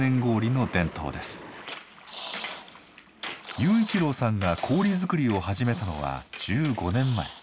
雄一郎さんが氷作りを始めたのは１５年前。